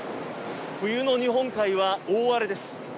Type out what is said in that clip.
冬の日本海は大荒れです。